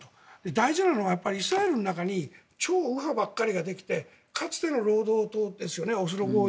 大事なのはイスラエルの中に超右派ばかりができてかつての労働党ですよね。